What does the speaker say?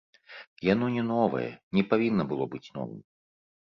Яно не новае, не павінна было быць новым.